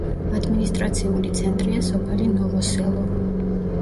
ადმინისტრაციული ცენტრია სოფელი ნოვო-სელო.